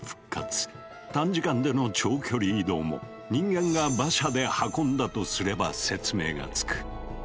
短時間での長距離移動も人間が馬車で運んだとすれば説明がつく。